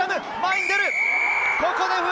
ここで笛！